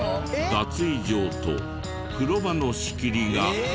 脱衣場と風呂場の仕切りがない。